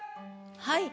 はい。